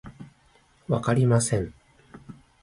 わかりません